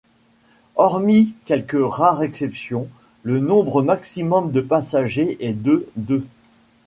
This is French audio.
Hormis quelques rares exceptions, le nombre maximum de passagers est de deux.